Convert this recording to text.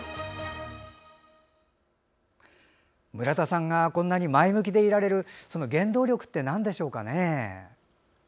村田さんがこんなに前向きでいられるその原動力ってなんでしょうかね。